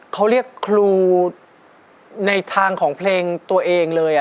เขาเรียกครูในทางของเพลงตัวเองเลย